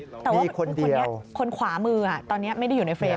แต่ว่าคนนี้คนขวามือตอนนี้ไม่ได้อยู่ในเฟรม